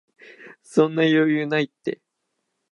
そんな余裕ないって